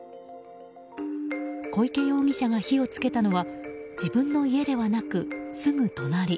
小池容疑者が火を付けたのは自分の家ではなく、すぐ隣。